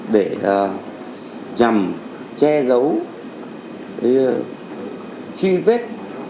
để chằm che giấu chi vết